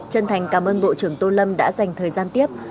chân thành cảm ơn bộ trưởng tô lâm đã dành thời gian tiếp